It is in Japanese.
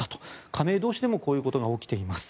加盟同士でもこういうことが起きています。